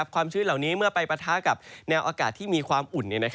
ความชื้นเหล่านี้เมื่อไปปะทะกับแนวอากาศที่มีความอุ่น